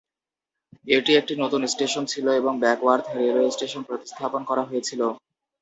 এটি একটি নতুন স্টেশন ছিল এবং ব্যাকওয়ার্থ রেলওয়ে স্টেশন প্রতিস্থাপন করা হয়েছিল।